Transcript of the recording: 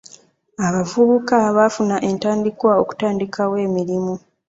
Abavubuka baafuna entandikwa okutandikawo emirimu